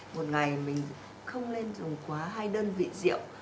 một ngày mình không nên dùng quá hai đơn vị rượu